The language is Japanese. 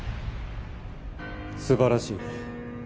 素晴らしい。